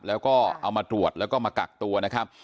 แล้วก็เอามาตรวจแล้วก็มากักตัวนะครับ